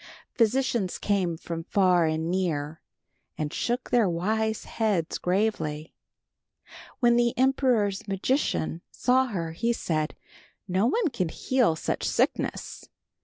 Physicians came from far and near, and shook their wise heads gravely. When the emperor's magician saw her, he said, "No one can heal such sickness.